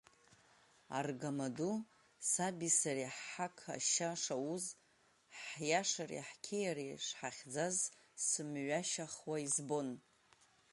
Аргамаду саби сареи ҳҳақ ашьа шауз, ҳиашареи ҳқьиареи шҳахьӡаз сымҩашьахуа избон.